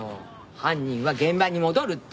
犯人は現場に戻るって。